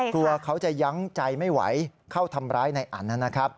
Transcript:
กลัวเขาจะยั้งใจไม่ไหวเข้าทำร้ายในอันนั้นนะครับ